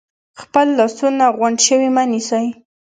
خپل لاسونه غونډ شوي مه نیسئ،